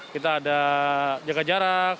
kita ada jaga jarak